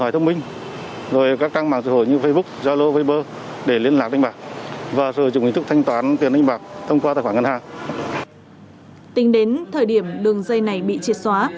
tính đến thời điểm đường dây này bị triệt xóa